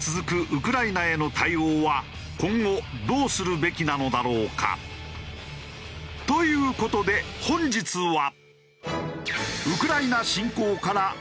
ウクライナへの対応は今後どうするべきなのだろうか？という事で本日は。